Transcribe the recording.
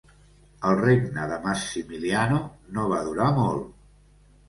El regne de Massimiliano no va durar molt.